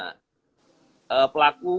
kemudian ada pelaku